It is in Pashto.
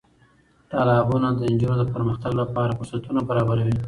تالابونه د نجونو د پرمختګ لپاره فرصتونه برابروي.